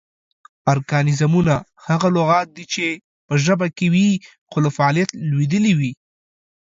ارکانیزمونه: هغه لغات دي چې پۀ ژبه کې وي خو لۀ فعالیت لویدلي وي